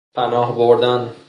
پناه بردن